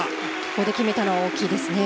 ここで決めたのは大きいですね。